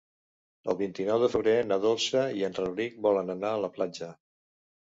El vint-i-nou de febrer na Dolça i en Rauric volen anar a la platja.